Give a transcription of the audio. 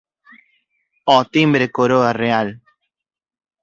Ó timbre coroa real.".